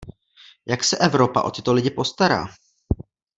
Jak se Evropa o tyto lidi postará?